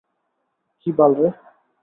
কি বাল রে?